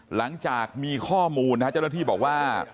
หลังจากมีข้อมูลนะฮะเจ้าหน้าที่บอกว่า